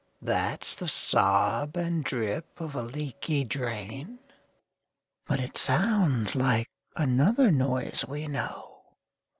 That's the sob and drip of a leaky drain? But it sounds like another noise we know!